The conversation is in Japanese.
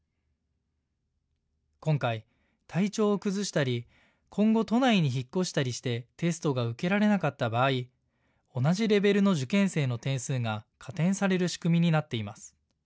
今回、体調を崩したり今後、都内に引っ越したりしてテストが受けられなかった場合、同じレベルの受験生の点数が加点される仕組みになっています。